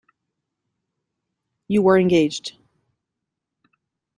You were engaged.